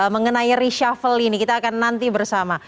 mengenai reshuffle ini kita akan nanti bersama